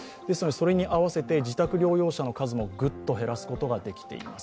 それに合わせて自宅療養者の数もぐっと減らすことができています。